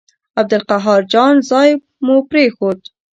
عبدالقاهر جان ځای مو پرېښود.